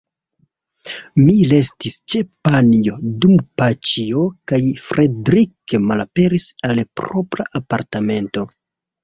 Mi restis ĉe Panjo, dum Paĉjo kaj Fredrik malaperis al propra apartamento.